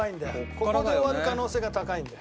ここで終わる可能性が高いんだよ